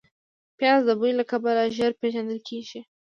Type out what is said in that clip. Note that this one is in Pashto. پیاز د بوی له کبله ژر پېژندل کېږي